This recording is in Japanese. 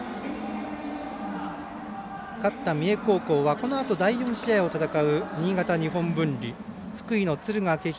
勝った三重高校はこのあと第４試合を戦う新潟、日本文理福井の敦賀気比